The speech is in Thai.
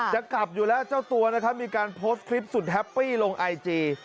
จะกลับอยู่แล้วเจ้าตัวนะครับมีการโพสต์คลิปสุดแฮปปี้ลงไอจี